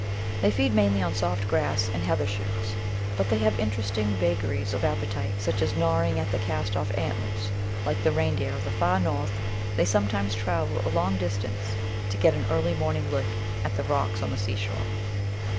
They feed mainly on soft grass and heather shoots, but they have interesting vagaries of appetite such as gnawing at their cast off antlers. Like the Reindeer of the Far North, they sometimes travel a long distance to get an early morning lick at the rocks on the seashore.